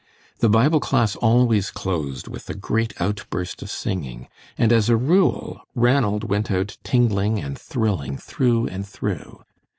The Bible class always closed with a great outburst of singing, and as a rule, Ranald went out tingling and thrilling through and through.